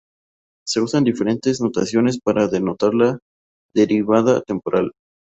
Se usan diferentes notaciones para denotar la derivada temporal.